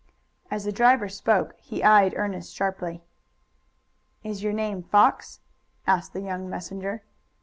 As the driver spoke he eyed Ernest sharply. "Is your name Fox?" asked the young messenger.